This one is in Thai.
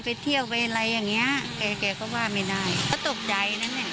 ไม่ถึงข่าวอย่างนี้ไม่ถึงไปถึงขนาดนั้น